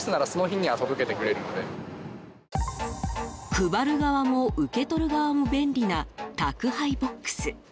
配る側も受け取る側も便利な宅配ボックス。